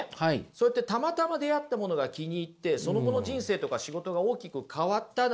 そうやってたまたま出会ったものが気に入ってその後の人生とか仕事が大きく変わったなんて経験ありません？